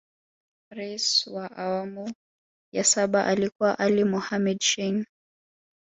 Rais wa awamu ya saba alikuwa Ali Mohamed Shein